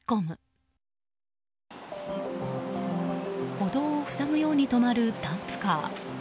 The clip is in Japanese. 歩道を塞ぐように止まるダンプカー。